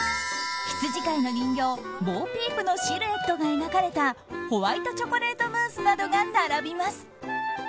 羊飼いの人形ボー・ピープのシルエットが描かれたホワイトチョコレートムースなどが並びます。